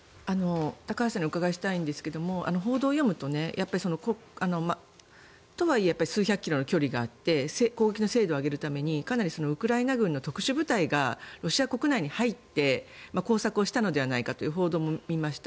高橋さんにお伺いしたいんですが報道を読むととはいえ数百キロの距離があって攻撃の精度を上げるためにウクライナ軍の特殊部隊がロシア国内に入って工作したのではないかという報道も見ました。